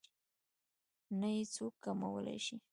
نه يې څوک کمولی شي.